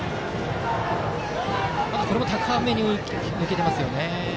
これも高めに抜けていますね。